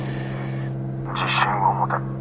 「自信を持て」。